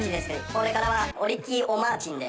これからは。